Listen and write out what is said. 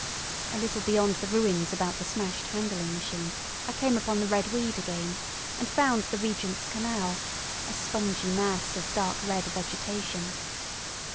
A little beyond the ruins about the smashed handling machine I came upon the red weed again, and found the Regent's Canal, a spongy mass of dark red vegetation.